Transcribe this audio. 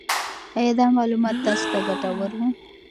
آیا دا معلومات تاسو ته ګټور وو؟